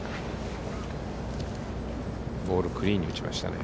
ボール、クリーンに打ちましたね。